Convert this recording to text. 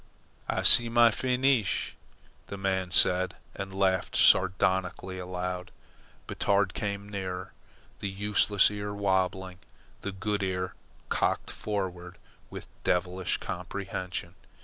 "Ah see my feenish," the man said, and laughed sardonically aloud. Batard came nearer, the useless ear wabbling, the good ear cocked forward with devilish comprehension.